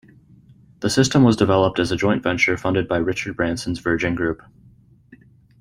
The system was developed as a joint venture funded by Richard Branson's Virgin Group.